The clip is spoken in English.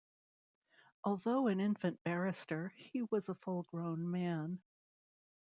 Although an infant barrister, he was a full-grown man.